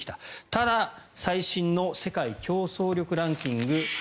ただ最新の世界競争力ランキング